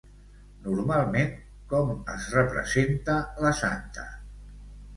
Normalment com es representa la santa?